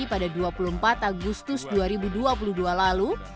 pada dua puluh empat agustus dua ribu dua puluh dua lalu